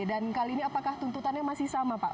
dan kali ini apakah tuntutannya masih sama pak